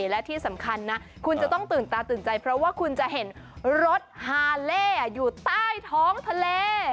และที่สำคัญนะคุณจะต้องตื่นตาตื่นใจเพราะว่าคุณจะเห็นรถฮาเล่อยู่ใต้ท้องทะเล